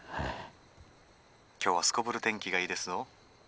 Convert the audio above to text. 今日はすこぶる天気がいいですぞ」。